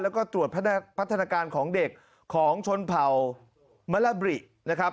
แล้วก็ตรวจพัฒนาการของเด็กของชนเผ่ามะละบรินะครับ